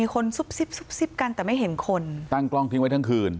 คนซุบซิบซิบกันแต่ไม่เห็นคนตั้งกล้องทิ้งไว้ทั้งคืน